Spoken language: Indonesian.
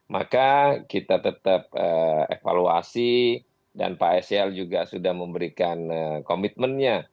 maka kita tetap evaluasi dan pak sel juga sudah memberikan komitmennya